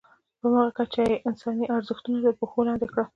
په همغه کچه یې انساني ارزښتونه تر پښو لاندې کړل.